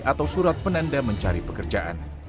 atau surat penanda mencari pekerjaan